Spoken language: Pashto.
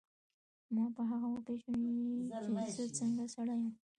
ما به هم وپېژنې چي زه څنګه سړی یم.